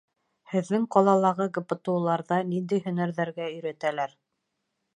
Һеҙҙең ҡалалағы ГПТУ-ларҙа ниндәй һөнәрҙәргә өйрәтәләр?